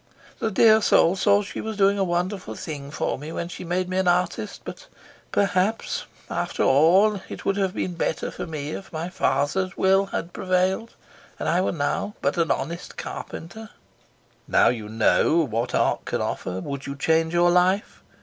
"The dear soul thought she was doing a wonderful thing for me when she made me an artist, but perhaps, after all, it would have been better for me if my father's will had prevailed and I were now but an honest carpenter." "Now that you know what art can offer, would you change your life?